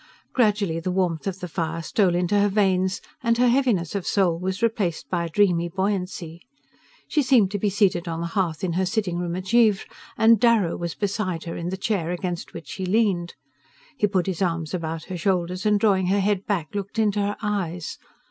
Gradually the warmth of the fire stole into her veins and her heaviness of soul was replaced by a dreamy buoyancy. She seemed to be seated on the hearth in her sitting room at Givre, and Darrow was beside her, in the chair against which she leaned. He put his arms about her shoulders and drawing her head back looked into her eyes.